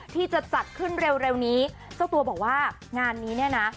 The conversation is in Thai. ที่จะจัดขึ้นเร็วนี้เจ้าตัวบอกว่างานนี้เนี่ยนะ